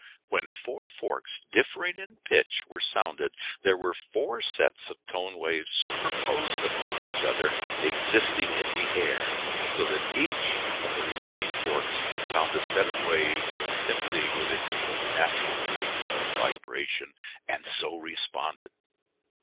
When four forks differing in pitch were sounded there were four sets of tone waves superposed upon each other existing in the air, so that each of the remaining forks found a set of waves in sympathy with its own natural rate of vibration and so responded.